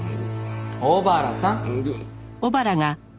小原さん！